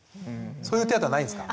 そういう手当はないんですか？